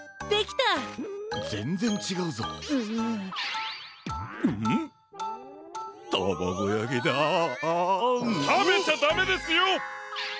たべちゃダメですよ！